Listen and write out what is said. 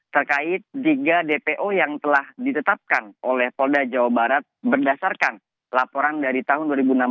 terkait tiga dpo yang telah ditetapkan oleh polda jawa barat berdasarkan laporan dari tahun dua ribu enam belas